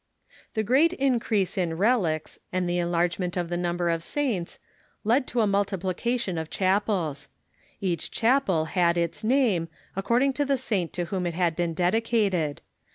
The great increase in relics, and the enlargement of the num ber of saints, led to a multiplication of chapels. Each chapel had its name, according to the saint to whom it had been dedicated.